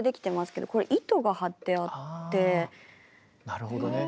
なるほどね。